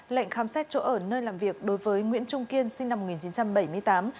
lệnh khám xét chỗ ở nơi làm việc đối với nguyễn trung kiên sinh năm một nghìn chín trăm bảy mươi tám